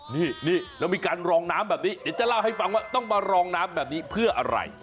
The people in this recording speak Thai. นี่แล้วมีการรองน้ำแบบนี้เดี๋ยวจะเล่าให้ฟังว่าต้องมารองน้ำแบบนี้เพื่ออะไร